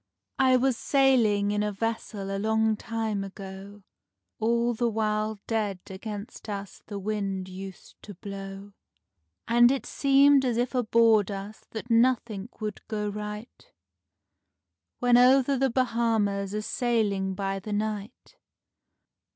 I was sailing in a vessel a long time ago, All the while dead against us the wind used to blow, And it seemed as if aboard us that nothing would go right, When over the Bahamas a sailing by the night.